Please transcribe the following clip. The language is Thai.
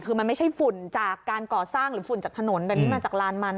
คือมันไม่ใช่ฝุ่นจากการก่อสร้างหรือฝุ่นจากถนนแต่นี่มาจากลานมัน